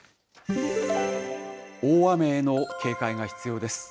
大雨への警戒が必要です。